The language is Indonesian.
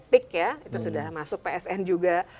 peak ya itu sudah masuk psn juga